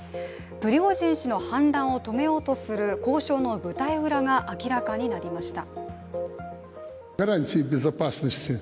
プリゴジン氏の反乱を止めようとする交渉の舞台裏が明らかになりました。